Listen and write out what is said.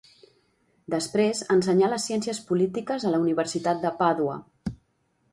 Després ensenyà les ciències polítiques a la Universitat de Pàdua.